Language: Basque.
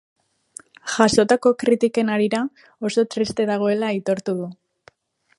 Jasotako kritiken harira, oso triste dagoela aitortu du.